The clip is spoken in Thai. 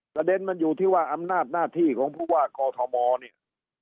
ประเด็นมันอยู่ที่ว่าอำนาจหน้าที่ของผู้ว่ากอทมเนี่ย